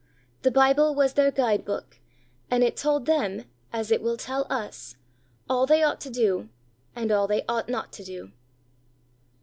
The Bible was their Guide Book, and it told them, as it will tell us, all they ought to do, and all they ought not to do.